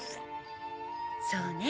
そうね。